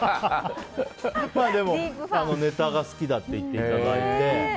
でも、ネタが好きだと言っていただいて。